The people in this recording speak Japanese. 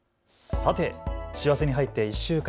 さて師走に入って１週間。